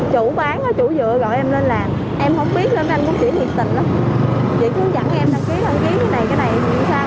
chủ bán chủ dự gọi em lên làm